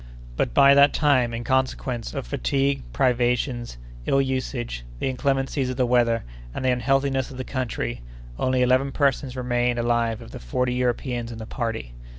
But, by that time, in consequence of fatigue, privations, ill usage, the inclemencies of the weather, and the unhealthiness of the country, only eleven persons remained alive of the forty Europeans in the party.